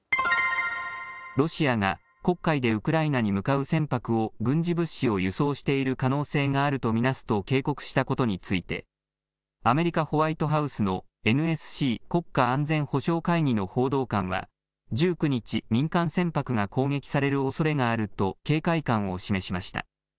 ロシアが黒海でウクライナに向かう軍事物資を輸送している可能性があると見なすと警告したことについて、アメリカホワイトハウスのＮＳＣ・国家安全保障会議の報道官は、１９日、民間船舶が攻撃されるおそれがあると警戒感を示しました。